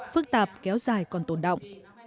phức tạp kéo dài còn tồn động